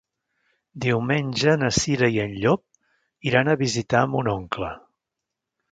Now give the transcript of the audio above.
Diumenge na Cira i en Llop iran a visitar mon oncle.